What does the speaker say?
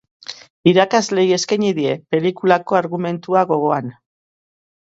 Irakasleei eskaini die, pelikulako argumentua gogoan.